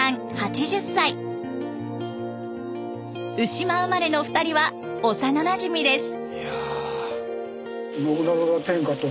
鵜島生まれの２人は幼なじみです。